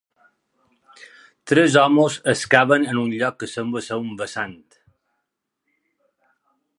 Tres homes excaven en un lloc que sembla ser un vessant.